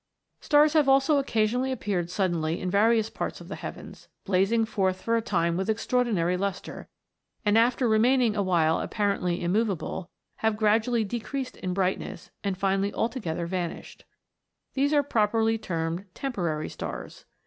Stars have also occasionally appeared suddenly in various parts of the heavens, blazing forth for a time with extraordinary lustre, and after remaining awhile apparently immovable, have gradually de creased in brightness, and finally altogether vanished. These are properly termed temporary stars.